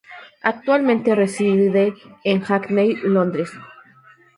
Actualmente reside en Hackney, Londres.